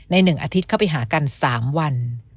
๑อาทิตย์เข้าไปหากัน๓วัน